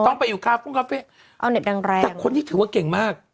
ต้องไปอยู่คาฟุ้งคาเฟ่เอาเน็ตดังแรงแต่คนที่ถือว่าเก่งมาก